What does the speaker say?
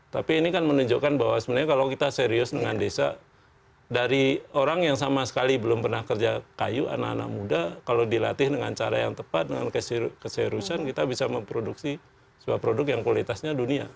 tapi ini kan menunjukkan bahwa sebenarnya kalau kita serius dengan desa dari orang yang sama sekali belum pernah kerja kayu anak anak muda kalau dilatih dengan cara yang tepat dengan keseriusan kita bisa memproduksi sebuah produk yang kualitasnya dunia